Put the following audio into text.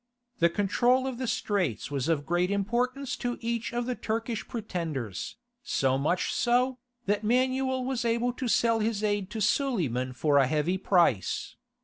The control of the Straits was of great importance to each of the Turkish pretenders, so much so, that Manuel was able to sell his aid to Suleiman for a heavy price.